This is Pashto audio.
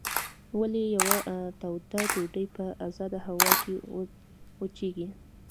ولې یوه توده ډوډۍ په ازاده هوا کې وچیږي؟